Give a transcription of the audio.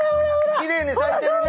きれいに咲いてるね。